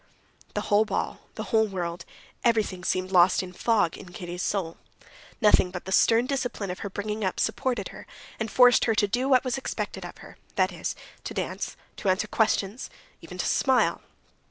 The whole ball, the whole world, everything seemed lost in fog in Kitty's soul. Nothing but the stern discipline of her bringing up supported her and forced her to do what was expected of her, that is, to dance, to answer questions, to talk, even to smile.